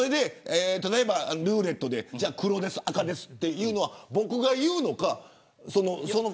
例えばルーレットで黒です、赤ですというのは僕が言うのか